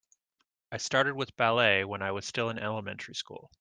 I started with ballet when I was still in elementary school.